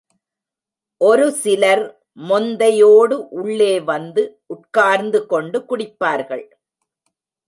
ஒரு சிலர் மொந்தை யோடு உள்ளே வந்து உட்கார்த்து கொண்டு குடிப்பார்கள்.